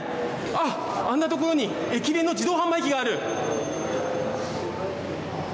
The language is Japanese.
あ、あんな所に駅弁の自動販売機がある。